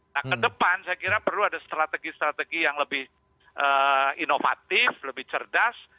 nah ke depan saya kira perlu ada strategi strategi yang lebih inovatif lebih cerdas